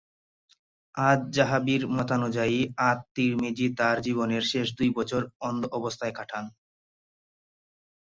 আয-যাহাবির মতানুযায়ী আত-তিরমিজি তার জীবনের শেষ দুই বছর অন্ধ অবস্থায় কাটান।